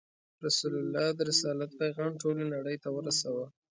رسول الله د رسالت پیغام ټولې نړۍ ته ورساوه.